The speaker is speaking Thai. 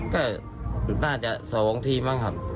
ก็น่าจะ๒ทีมบ้างครับ